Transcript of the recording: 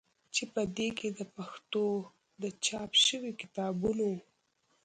چې په کې د پښتو د چاپ شوي کتابونو